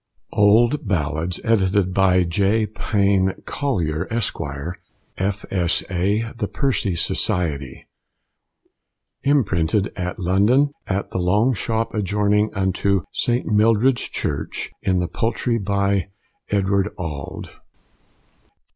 OLD BALLADS, Edited by J. Payne Collier, Esq., F.S.A. The Percy Society. Imprinted at London at the Long Shop adjoyning unto Saint Mildreds Churche in the Pultrie by Edward Allde.